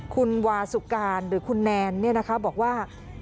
คุณวาสุการหรือคุณแนนบอกว่า